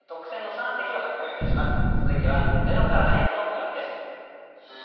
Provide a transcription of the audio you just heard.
続いては「０から俳句」のコーナーです。